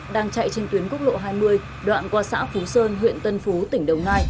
đang chạy trên tuyến quốc lộ hai mươi đoạn qua xã phú sơn huyện tân phú tỉnh đồng nai